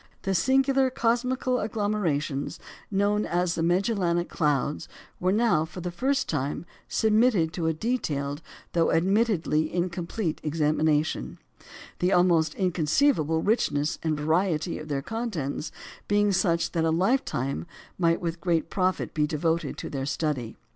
The singular cosmical agglomerations known as the "Magellanic Clouds" were now, for the first time, submitted to a detailed, though admittedly incomplete, examination, the almost inconceivable richness and variety of their contents being such that a lifetime might with great profit be devoted to their study.